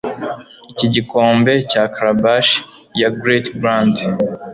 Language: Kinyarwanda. iki gikombe cya calabash ya great-grand